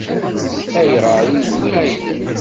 Ayɣer i yewwi ayla-w?